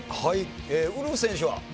ウルフ選手は。